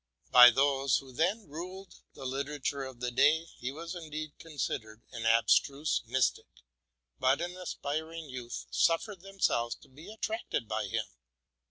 By those who then ruled the literature of the day, he was indeed consid ered an abstruse mystic; but an aspiring youth suffered themselves to be attracted by him.